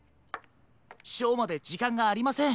ショーまでじかんがありません。